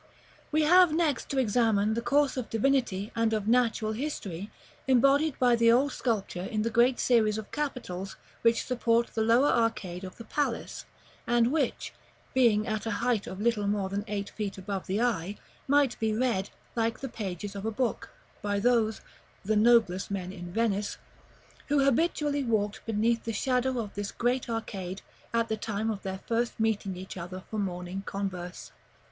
We have next to examine the course of divinity and of natural history embodied by the old sculpture in the great series of capitals which support the lower arcade of the palace; and which, being at a height of little more than eight feet above the eye, might be read, like the pages of a book, by those (the noblest men in Venice) who habitually walked beneath the shadow of this great arcade at the time of their first meeting each other for morning converse.